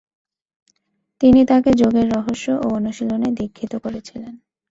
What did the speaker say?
তিনি তাঁকে যোগের রহস্য ও অনুশীলনে দীক্ষিত করেছিলেন।